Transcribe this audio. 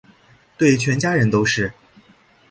对全家人都是